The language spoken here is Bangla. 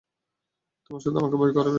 তোমরা শুধু আমাকে ভয় করবে।